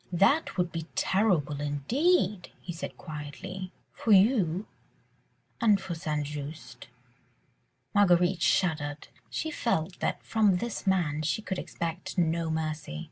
"That would be terrible indeed," he said quietly, "for you ... and for St. Just." Marguerite shuddered. She felt that from this man she could expect no mercy.